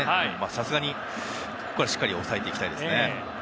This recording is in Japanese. さすがに、ここからはしっかり抑えたいですね。